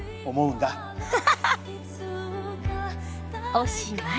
おしまい。